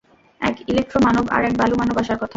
এক ইলেক্ট্রো-মানব আর এক বালু-মানব আসার কথা।